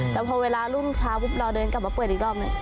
แต่พอเวลารุ่มช้าเราเดินกลับมาเปิดอีกรอบ